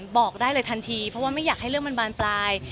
บอกได้เลยทันทีเพราะว่าไม่อยากให้เรื่องมันบานปลาย